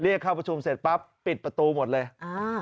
เรียกเข้าประชุมเสร็จปั๊บปิดประตูหมดเลยอ่า